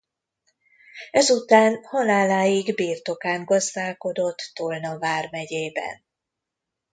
Ezután haláláig birtokán gazdálkodott Tolna vármegyében.